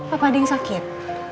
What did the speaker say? apa ada yang sakit